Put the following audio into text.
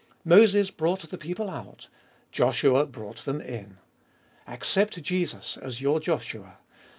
Moses brought the people out : Joshua brought them in. Accept Jesus as your Joshua.